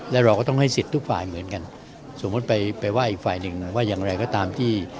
แล้วเราก็ต้องให้สิทธิ์ทุกฝ่ายเหมือนกันสมมุติไปไปว่าอีกฝ่ายหนึ่งหน่อยว่าอย่างไรก็ตามที่